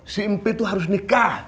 si impe itu harus nikah